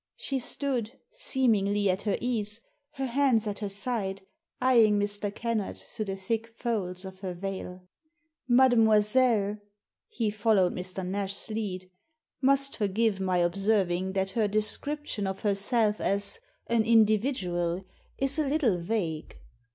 She stood, seemingly at her ease, her hands at her side, eyeing Mr. Kennard through the thick folds of her veil. "Mademoiselle" — ^he followed Mr. Nash's lead —" must forgive my observing that her description of herself as * an individual ' is a little vague."